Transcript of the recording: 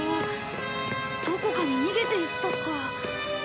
どこかに逃げていったか。